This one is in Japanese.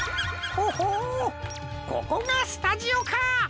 ほほーここがスタジオか。